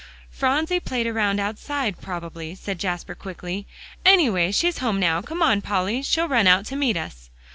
"Phronsie played around outside probably," said Jasper quickly; "anyway, she's home now. Come on, Polly. She'll run out to meet us."